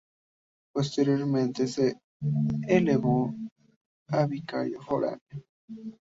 Posteriormente se le elevó a vicario foráneo.